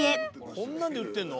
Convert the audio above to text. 「こんなので売ってるの？」